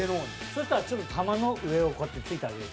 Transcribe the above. そしたらちょっと球の上をこうやって撞いてあげる。